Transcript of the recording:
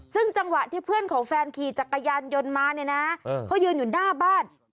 ซึ่งจังหวะที่เพื่อนของแฟนขี่จักรยานยนต์มาเนี่ยนะเขายืนอยู่หน้าบ้าน